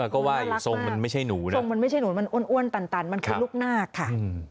ก็ว่าทรงมันไม่ใช่หนูนะทรงมันไม่ใช่หนูมันอ้วนตันมันคือลูกนาคค่ะ